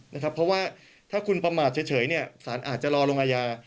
เพราะว่าถ้าคุณประมาทเฉยสารอาจจะรอลงอาญา